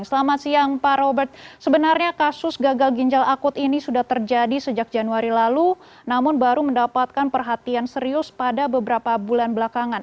selamat siang pak robert sebenarnya kasus gagal ginjal akut ini sudah terjadi sejak januari lalu namun baru mendapatkan perhatian serius pada beberapa bulan belakangan